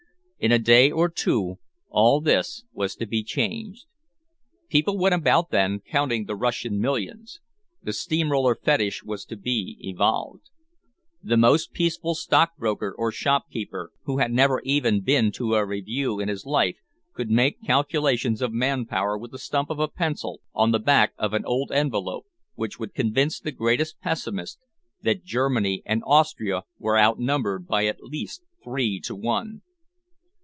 In a day or two all this was to be changed. People went about then counting the Russian millions; the steamroller fetish was to be evolved. The most peaceful stockbroker or shopkeeper, who had never even been to a review in his life, could make calculations of man power with a stump of pencil on the back of an old envelope, which would convince the greatest pessimist that Germany and Austria were outnumbered by at least three to one.